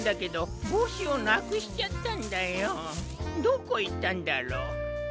どこいったんだろう？